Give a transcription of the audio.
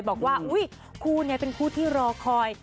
บอกว่าคู่นี้เป็นคู่ที่รอคอย